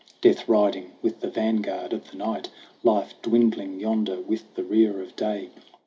Death riding with the vanguard of the Night, Life dwindling yonder with the rear of Day